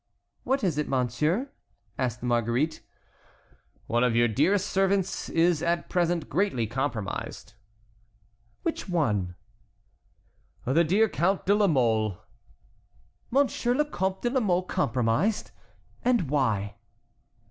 "What is it, monsieur?" asked Marguerite. "One of your dearest servants is at present greatly compromised." "Which one?" "The dear Count de la Mole." "Monsieur le Comte de la Mole compromised! And why?"